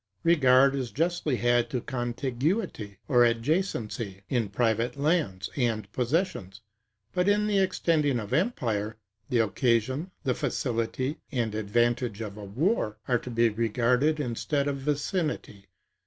Regard is justly had to contiguity, or adjacency, in private lands and possessions; but in the extending of empire, the occasion, the facility, and advantage of a war, are to be regarded instead of vicinity.